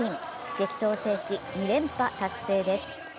激闘を制し、２連覇達成です。